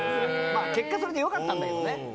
結果それで良かったんだけどね。